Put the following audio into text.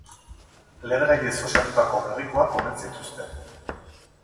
Lehergaiez osatutako gerrikoak omen zituzten.